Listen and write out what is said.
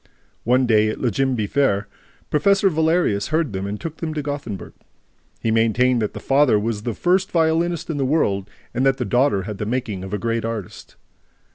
One day, at Ljimby Fair, Professor Valerius heard them and took them to Gothenburg. He maintained that the father was the first violinist in the world and that the daughter had the making of a great artist.